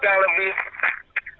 kenapa karena diborong